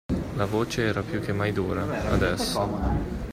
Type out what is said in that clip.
La voce era più che mai dura, adesso.